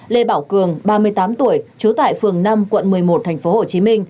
lê bảo cường ba mươi tám tuổi trú tại phường năm quận một mươi một tp hcm